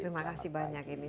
terima kasih banyak ini